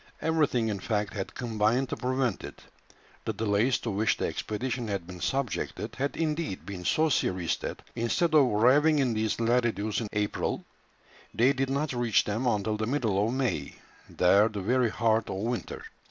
Everything in fact had combined to prevent it; the delays to which the expedition had been subjected had indeed been so serious that instead of arriving in these latitudes in April, they did not reach them until the middle of May, there the very heart of winter.